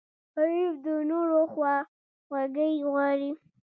غریب د نورو خواخوږی غواړي